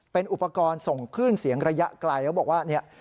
เป็นอุปกรณ์ส่งขึ้นเสียงระยะไกลเขาบอกว่า